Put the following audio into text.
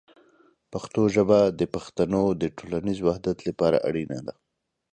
پښتو ژبه د پښتنو د ټولنیز وحدت لپاره اړینه ده.